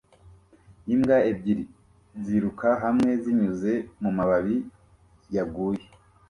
Imbwa ebyiri ziruka hamwe zinyuze mumababi yaguye